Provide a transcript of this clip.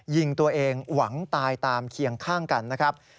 ยิงตัวเองหวังตายตามเคียงข้างกันนะครับ